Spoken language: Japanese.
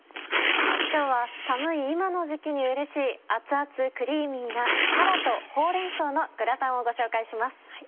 今日は寒い今の時期にうれしい熱々クリーミーな「たらとほうれん草のグラタン」をご紹介します。